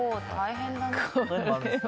大変だね。